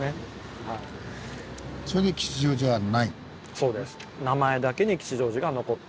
そうです。